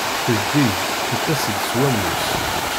Tezdeg tettas-d s wammus.